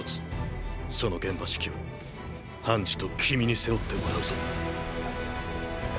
その現場指揮はハンジと君に背負ってもらうぞ。